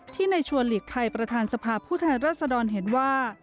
ในชวนหลีกภัยประธานสภาพผู้แทนรัศดรเห็นว่า